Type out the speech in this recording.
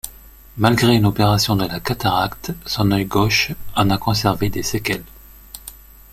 Malgré une opération de la cataracte, son œil gauche en a conservé des séquelles.